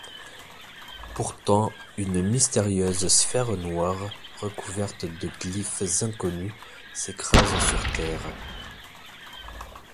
Pourtant, une mystérieuse sphère noire, recouverte de glyphes inconnus, s'écrase sur Terre.